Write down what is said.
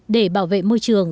để bảo vệ môi trường